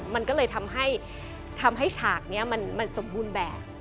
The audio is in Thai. มันก็เลยทำให้ฉากนี้มันสมบูรณ์แบบ